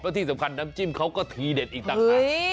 และที่สำคัญน้ำจิ้มเขาก็ทีเด็ดอีกต่างหาก